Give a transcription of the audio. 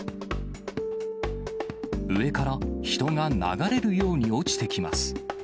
上から人が流れるように落ちてきます。